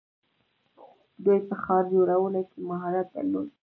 دوی په ښار جوړونه کې مهارت درلود.